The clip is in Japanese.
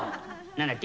何だって？